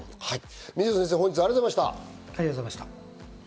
水野先生、本日はありがとうございました。